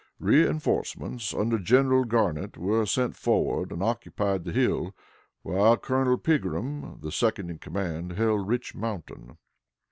Reënforcements under General Garnett were sent forward and occupied the hill, while Colonel Pegram, the second in command, held Rich Mountain.